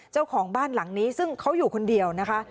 เจ้าของบ้านหลังนี้ซึ่งเขาอยู่คนเดียวนะคะ